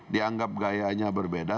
dianggap gayanya berbeda